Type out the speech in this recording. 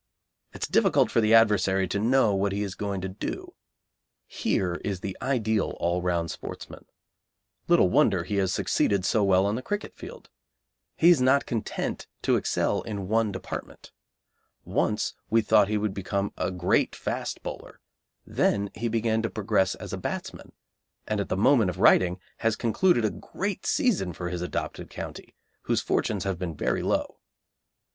It is difficult for the adversary to know what he is going to do. Here is the ideal all round sportsman. Little wonder he has succeeded so well on the cricket field. He is not content to excel in one department. Once we thought he would become a great fast bowler, then he began to progress as a batsman, and at the moment of writing has concluded a great season for his adopted county, whose fortunes have been very low.